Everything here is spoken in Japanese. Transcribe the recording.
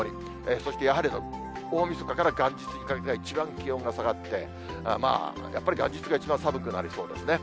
そして、やはり大みそかから元日にかけてが一番気温が下がって、まあ、やっぱり元日が一番寒くなりそうですね。